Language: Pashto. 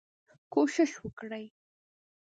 کوشش وکړئ